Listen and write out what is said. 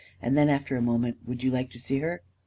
And then, after a moment, " Would you like to see her?"